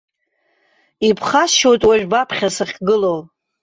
Иԥхасшьоит уажә баԥхьа сахьгылоу!